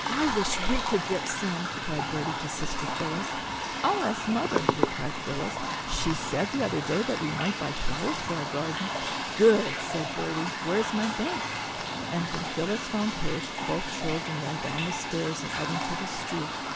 I wish we could get some," cried Bertie to sister Phillis. "I'll ask Mother," replied Phillis; "she said the other day that we might buy flowers for our garden." "Good," said Bertie, "where's my bank?" And when Phillis found hers, both children ran down the stairs and out into the street.